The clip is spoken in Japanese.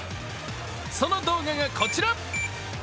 その動画がこちら。